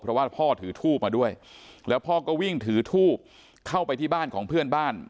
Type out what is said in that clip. เพราะว่าพ่อถือทูบมาด้วยแล้วพ่อก็วิ่งถือทูบเข้าไปที่บ้านของเพื่อนบ้าน